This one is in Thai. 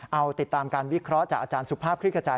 เอาติดตามการวิเคราะห์จากอาจารย์สุภาพคลิกกระจาย